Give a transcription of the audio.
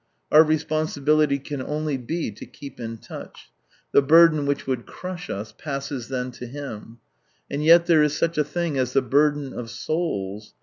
Our responsibility can only be to keep in touch. The burden which would crush us, passes then to Him, And yet there is such a thing as the burden of souls.